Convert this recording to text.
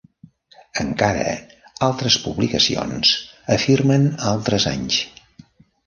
Encara altres publicacions afirmen altres anys.